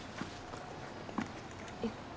えっ？